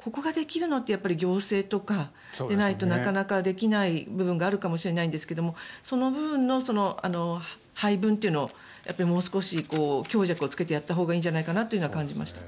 ここができるのって行政とかでないとなかなかできない部分があるのかもしれませんがその部分の配分というのをもう少し強弱をつけてやったほうがいいんじゃないかなというのは感じました。